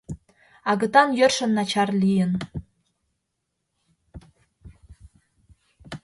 Агытан йӧршын начар лийын.